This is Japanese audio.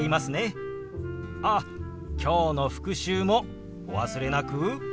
あっきょうの復習もお忘れなく。